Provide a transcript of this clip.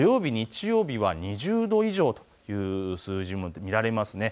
土曜日、日曜日は２０度以上という数字も見られます。